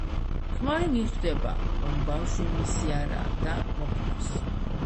ქმარი მიხვდება, რომ ბავშვი მისი არაა და მოკლავს.